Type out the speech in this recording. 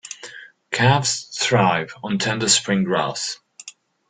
Calves thrive on tender spring grass.